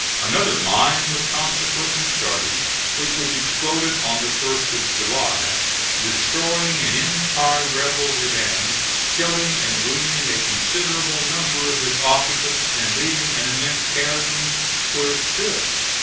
Another mine was consequently started which was exploded on the 1st of July, destroying an entire rebel redan, killing and wounding a considerable number of its occupants and leaving an immense chasm where it stood.